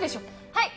はい！